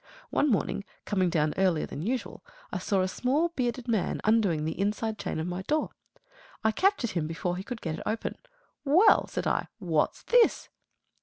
One morning, coming down earlier than usual, I saw a small bearded man undoing the inside chain of my door. I captured him before he could get it open. "Well," said I, "what's this?"